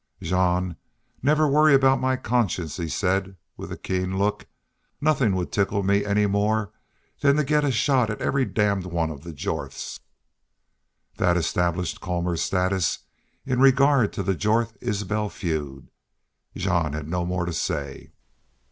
"Jean, never worry about my conscience," he said, with a keen look. "Nothin' would tickle me any more than to get a shot at every damn one of the Jorths." That established Colmor's status in regard to the Jorth Isbel feud. Jean had no more to say.